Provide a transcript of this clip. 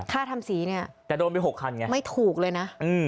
ค่าทำสีเนี่ยแต่โดนไป๖คันไงไม่ถูกเลยนะ